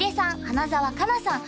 花澤香菜さん